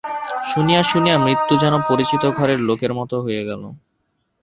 শুনিয়া শুনিয়া মৃত্যু যেন পরিচিত ঘরের লোকের মতো হইয়া গেল।